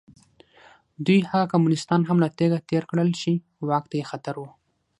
دوی هغه کمونېستان هم له تېغه تېر کړل چې واک ته یې خطر و.